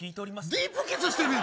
ディープキスしてる。